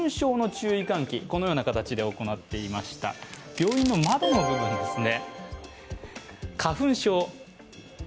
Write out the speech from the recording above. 病院の窓の部分ですね。